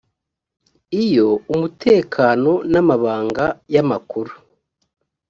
iyo umutekano n amabanga y amakuru